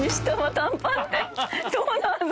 どうなんだ⁉